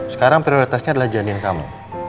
sekarang prioritasnya adalah janin kamu